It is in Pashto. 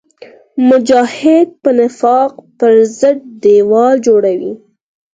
مجاهد د نفاق پر ضد دیوال جوړوي.